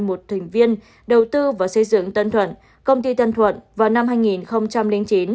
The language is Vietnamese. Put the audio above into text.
một thành viên đầu tư vào xây dựng tân thuận công ty tân thuận vào năm hai nghìn sáu